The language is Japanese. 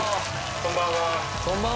こんばんは。